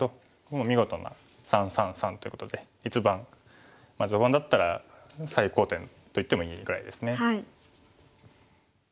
もう見事な３３３ということで一番序盤だったら最高点と言ってもいいぐらいですね。